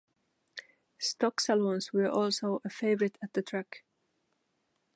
Stock Saloons were also a favourite at the track.